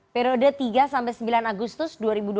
periode tiga sampai sembilan agustus dua ribu dua puluh